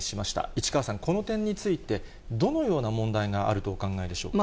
市川さん、この点について、どのような問題があるとお考えでしょうか。